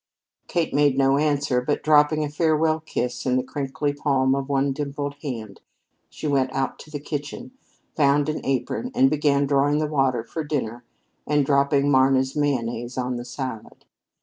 Kate made no answer, but, dropping a farewell kiss in the crinkly palm of one dimpled hand, she went out to the kitchen, found an apron, and began drawing the water for dinner and dropping Marna's mayonnaise on the salad.